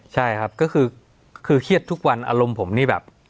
ใช่ครับก็คือเครียดทุกวันอารมณ์ผมนี่แบบ